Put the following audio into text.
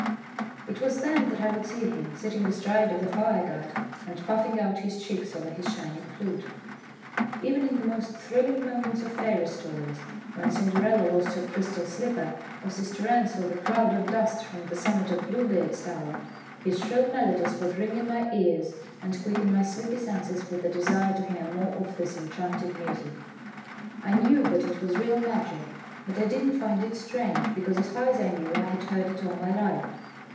It was then that I would see him sitting astride of the fireguard and puffing out his cheeks over his shining flute. Even in the most thrilling moments of fairy stories, when Cinderella lost her crystal slipper or Sister Ann saw the cloud of dust from the summit of Bluebeard's tower, his shrill melodies would ring in my ears and 190 THE FLUTE PLAYER quicken my sleepy senses with the desire to hear more of this enchanted music. I knew that it was real magic, but I did not find it strange, because as far as I knew I had heard it all my life.